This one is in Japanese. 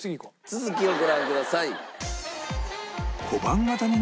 続きをご覧ください。